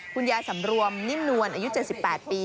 สำรวมนิ่มนวลอายุ๗๘ปี